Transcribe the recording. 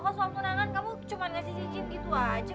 kalo suam tunangan kamu cuma ngasih cincin gitu aja